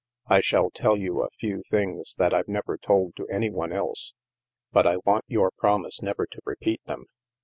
I shall tell you a few things that I've never told to any one else, but I want your promise never to repeat them.